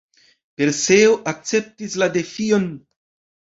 Perseo akceptis la defion.